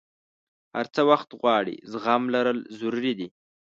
هر څه وخت غواړي، زغم لرل ضروري دي.